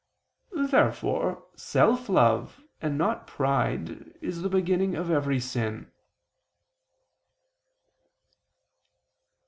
Therefore self love and not pride, is the beginning of every sin.